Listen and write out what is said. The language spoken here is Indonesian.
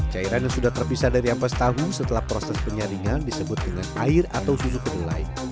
cairan yang sudah terpisah dari ampas tahu setelah proses penyaringan disebut dengan air atau susu kedelai